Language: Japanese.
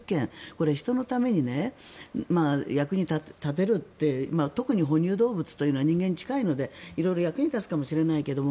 これは人のために役に立てるって特に哺乳動物というのは人間に近いので色々役に立つかもしれないけど